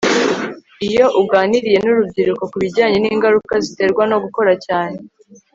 iyo uganiriye n urubyiruko ku bijyanye n ingaruka ziterwa no gukora cyane